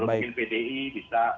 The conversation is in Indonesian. kalau mungkin pdi bisa